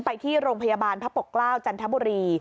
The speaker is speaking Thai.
ไปที่โรงพยาบาลพระปกเกล้าจันทบุรี